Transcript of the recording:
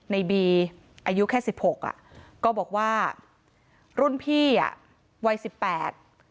ในบีอายุแค่สิบหกอ่ะก็บอกว่ารุ่นพี่อ่ะวัยสิบแปด